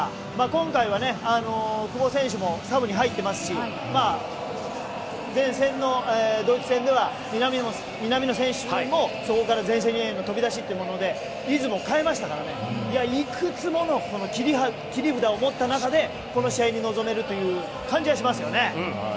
今回は久保選手もサブに入っていますし前戦のドイツ戦では南野選手もそこから前線への飛び出しということでリズムを変えましたからいくつもの切り札を持った中でこの試合に臨めるという感じがしますよね。